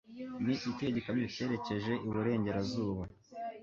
Ni ikihe gikamyo "cyerekeje iburengerazuba"